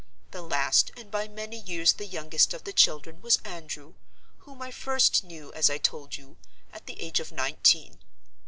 The last and by many years the youngest of the children was Andrew, whom I first knew, as I told you, at the age of nineteen.